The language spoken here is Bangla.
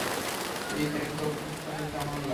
এই দেখ তোর পোস্টার, কেমন লাগলো?